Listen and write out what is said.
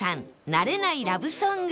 慣れないラブソング